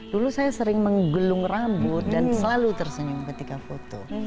dulu saya sering menggelung rambut dan selalu tersenyum ketika foto